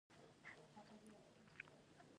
پښتو یوه لرغونې ژبه ده